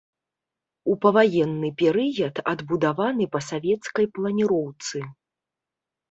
У паваенны перыяд адбудаваны па савецкай планіроўцы.